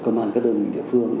công an các đơn vị địa phương